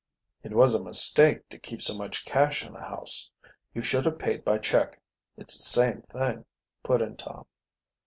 "It was a mistake to keep so much cash in the house. You should have paid by check it's the same thing," put in Tom.